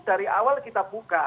dari awal kita buka